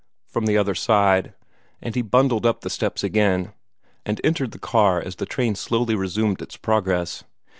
from the other side, and he bundled up the steps again, and entered the car as the train slowly resumed its progress.